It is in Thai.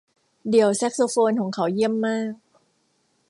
เดี่ยวแซกโซโฟนของเขาเยี่ยมมาก